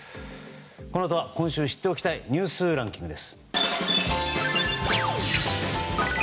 このあとは今週知っておきたいニュースランキングです。